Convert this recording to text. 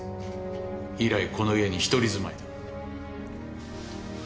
以来この家に一人住まいだ。